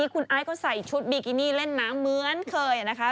คุณไอซ์ก็ใส่ชุดบิกินี่เล่นน้ำเหมือนเคยนะคะ